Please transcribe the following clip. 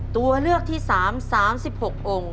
ตัวเลือกที่๓๓๖องค์